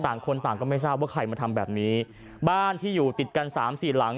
ต่างคนต่างก็ไม่ทราบว่าใครมาทำแบบนี้บ้านที่อยู่ติดกันสามสี่หลัง